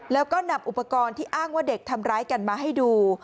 แล้วก็นำอุปกรณ์ที่อ้างว่าเด็กทำร้ายกันมาให้ดู